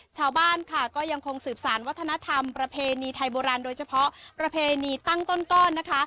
ชาวบ้านค่ะก็ยังคงสืบสารวัฒนธรรมประเพณีไทยโบราณโดยเฉพาะประเพณีตั้งต้นก้อนนะคะ